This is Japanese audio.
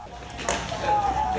え？